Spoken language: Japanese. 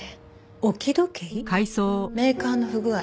メーカーの不具合。